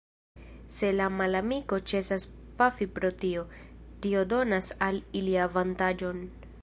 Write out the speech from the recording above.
Se la malamiko ĉesas pafi pro tio, tio donas al ili avantaĝon.